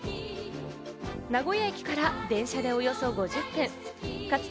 名古屋駅から電車でおよそ５０分。